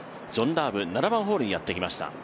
ジョン・ラーム７番ホールにやってきました。